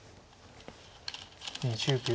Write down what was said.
２０秒。